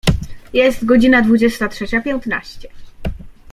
Jest godzina dwudziesta trzecia piętnaście.